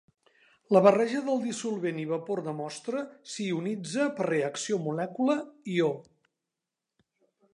La barreja de dissolvent i vapor de mostra s'ionitza per reacció molècula-ió.